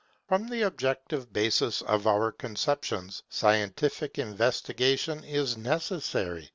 For the objective basis of our conceptions scientific investigation is necessary.